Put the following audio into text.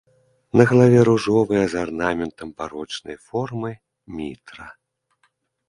На галаве ружовая з арнаментам барочнай формы мітра.